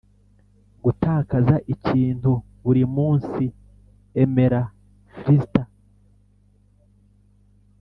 gutakaza ikintu buri munsi. emera fluster